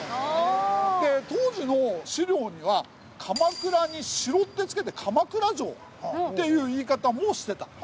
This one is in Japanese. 当時の資料には「鎌倉」に「城」ってつけて鎌倉城っていう言い方もしてた。